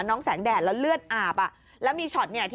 โอ้โฮ